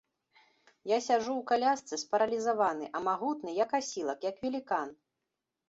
Я сяджу ў калясцы спаралізаваны, а магутны, як асілак, як велікан.